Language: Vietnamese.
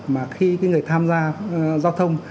mà khi người tham gia giao thông